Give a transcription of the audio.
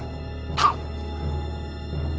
はっ！